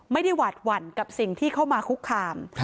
หวาดหวั่นกับสิ่งที่เข้ามาคุกคาม